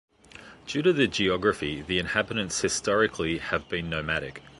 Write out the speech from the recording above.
Due to the geography, the inhabitants historically, have been nomadic.